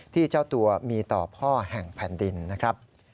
เจ้าตัวมีต่อพ่อแห่งแผ่นดินนะครับ